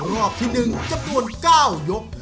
รอบที่๑จำนวน๙ยก